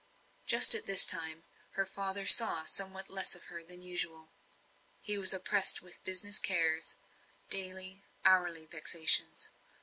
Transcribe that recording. Just at this time, her father saw somewhat less of her than usual. He was oppressed with business cares; daily, hourly vexations.